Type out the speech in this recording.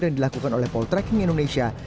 yang dilakukan oleh poltreking indonesia